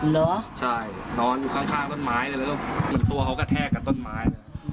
เหรอใช่นอนอยู่ข้างต้นไม้แล้วตัวเขากระแทกกับต้นไม้